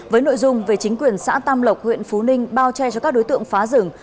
với nội dung về chính quyền xã tam lộc huyện phú ninh bao che cho các đối tượng phá rừng